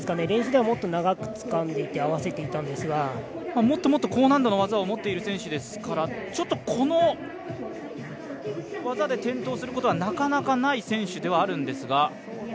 練習ではもっと早くつかんで合わせていたんですがもっともっと高難度の技を持っている選手ですからちょっとこの技で転倒することはなかなかない選手ではあるんですが。